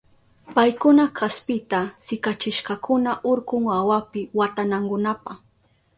Paykuna kaspita sikachishkakuna urkun awapi watanankunapa.